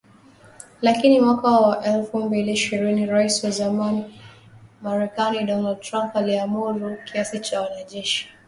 Lakini mwaka wa elfu mbili ishirini Rais wa zamani Marekani Donald Trump aliamuru kiasi cha wanajeshi mia saba hamsini wa Marekani nchini Somalia kuondoka.